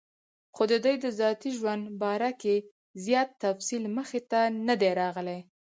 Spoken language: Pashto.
خو دَدوي دَذاتي ژوند باره کې زيات تفصيل مخې ته نۀ دی راغلی